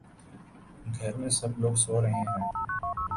گھر میں سب لوگ سو رہے ہیں